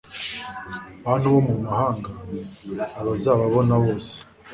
bantu bo mu mahanga Abazababona bose